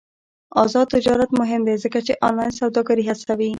آزاد تجارت مهم دی ځکه چې آنلاین سوداګري هڅوي.